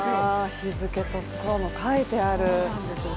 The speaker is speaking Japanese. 日付とスコアも書いてある。